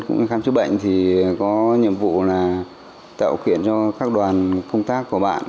cũng như khám chức bệnh thì có nhiệm vụ là tạo kiện cho các đoàn công tác của bạn